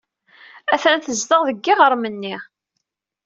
Attan tezdeɣ deg yiɣrem-nni.